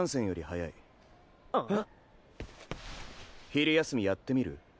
昼休みやってみる？